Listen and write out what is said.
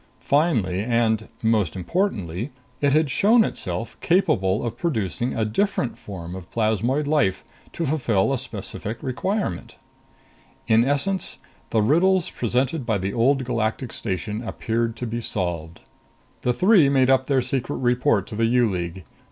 Finally, and most importantly, it had shown itself capable of producing a different form of plasmoid life to fulfill a specific requirement. In essence, the riddles presented by the Old Galactic Station appeared to be solved. The three made up their secret report to the U League.